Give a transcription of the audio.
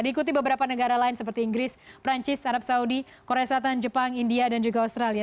diikuti beberapa negara lain seperti inggris perancis arab saudi korea selatan jepang india dan juga australia